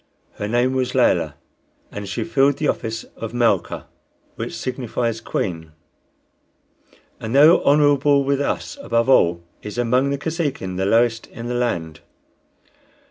Her name was Layelah, and she filled the office of Malca, which signifies queen; and though honorable with us above all, is among the Kosekin the lowest in the land.